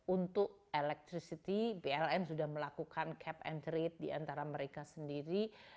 untuk electricity pln sudah melakukan cap and trade diantara mereka sendiri